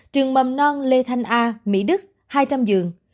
trường mầm non lê thanh a mỹ đức hai trăm linh giường